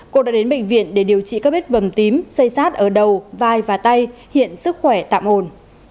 cô đã đến bệnh viện để điều trị các bếp bầm tím dây sát ở đầu vai và tay hiện sức khỏe tạm ồn